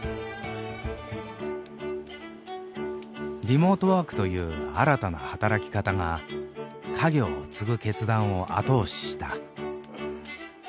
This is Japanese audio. リモートワークという新たな働き方が家業を継ぐ決断を後押しした。